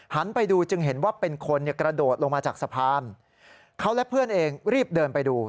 ไปดูจึงเห็นว่าเป็นคนเนี่ยกระโดดลงมาจากสะพานเขาและเพื่อนเองรีบเดินไปดู